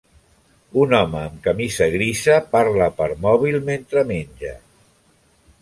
Un home amb camisa grisa parla per mòbil mentre menja.